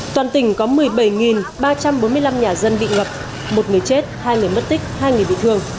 toàn tỉnh có một mươi bảy ba trăm bốn mươi năm nhà dân bị ngập một người chết hai người mất tích hai người bị thương